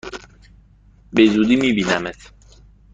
به زودی می بینمت!